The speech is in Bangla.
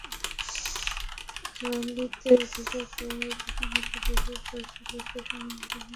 ললিতের ভিসা পাওয়ার প্রসঙ্গটি কীভাবে ফাঁস হলো সেই সন্দেহের নিরসন এখনো হয়নি।